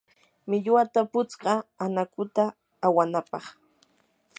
millwata putskaa anakuta awanapaq.